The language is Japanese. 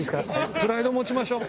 プライド持ちましょう。